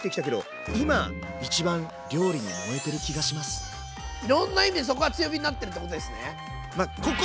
こんだけいろんな意味でそこが強火になってるってことですね。